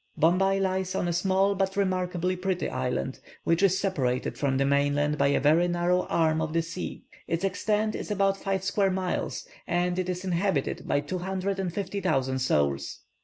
Bombay lies on a small but remarkably pretty island, which is separated from the mainland by a very narrow arm of the sea; its extent is about five square miles, and it is inhabited by 250,000 souls.